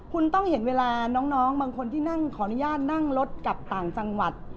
คุณต้องเห็นเวลาน้องบางคนที่นั่งขออนุญาตนั่งรถกลับต่างจังหวัด